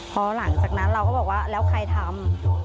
พอหลังจากนั้นเราก็บอกว่าแล้วใครทำ